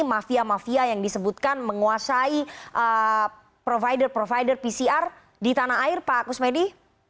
mafia mafia yang disebutkan menguasai provider provider pcr di tanah air pak kusmedi